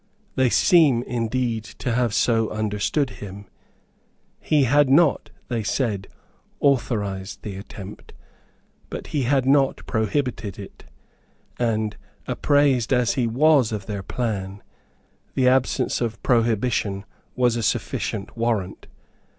They seem indeed to have so understood him. He had not, they said, authorised the attempt; but he had not prohibited it; and, apprised as he was of their plan, the absence of prohibition was a sufficient warrant.